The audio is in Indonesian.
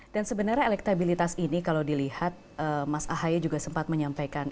dan sebenarnya elektabilitas ini kalau dilihat mas ahaye juga sempat menyampaikan